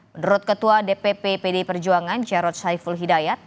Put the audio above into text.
menurut ketua dpp pdi perjuangan jarod saiful hidayat